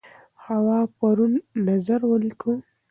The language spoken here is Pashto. هوا پرون نظر ولیکه.